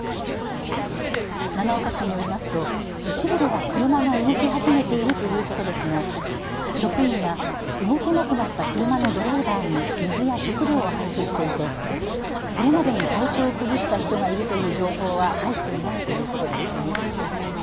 長岡市によりますと一部では車が動き始めているということですが職員が動けなくなった車のドライバーに水や食料を配布していてこれまでに体調を崩した人がいるという情報は入っていないということです。